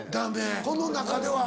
この中では。